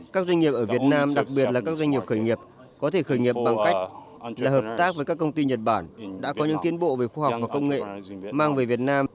các doanh nghiệp ở việt nam đặc biệt là các doanh nghiệp khởi nghiệp có thể khởi nghiệp bằng cách là hợp tác với các công ty nhật bản đã có những tiến bộ về khoa học và công nghệ mang về việt nam